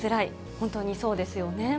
本当にそうですよね。